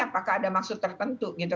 apakah ada maksud tertentu gitu